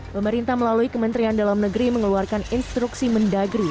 pemerintah melalui kementerian dalam negeri mengeluarkan instruksi mendagri